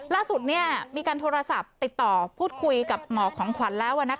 ล่าสุดมีการโทรศัพท์ติดต่อพูดคุยกับหมอของขวัญแล้ว